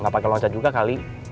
gak pake loncat juga kali